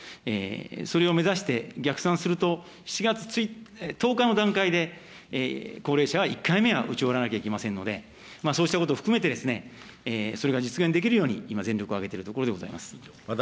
それを目指して逆算すると、４月１０日の段階で、高齢者は１回目は打ち終わらなければいけませんので、そうしたこと含めて、それが実現できるように今、全力を挙げているところでございます。